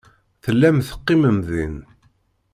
Tellam teqqimem din.